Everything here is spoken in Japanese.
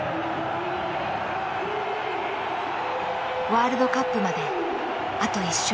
ワールドカップまであと１勝。